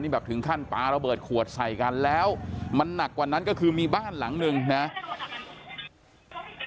แบบถึงขั้นปลาระเบิดขวดใส่กันแล้วมันหนักกว่านั้นก็คือมีบ้านหลังหนึ่งนะครับ